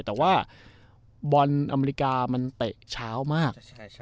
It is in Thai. แต่ว่าบอลอเมริกามันเตะเช้ามาก